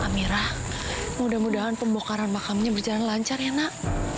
amira mudah mudahan pembongkaran makamnya berjalan lancar ya nak